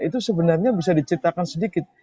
itu sebenarnya bisa diceritakan sedikit